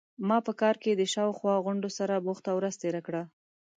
ما په کار کې د شا او خوا غونډو سره بوخته ورځ تیره کړه.